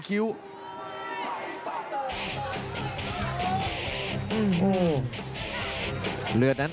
โอ้โหตอนนี้เลือดนี้